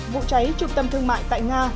vụ cháy trục tâm thương mại tại nga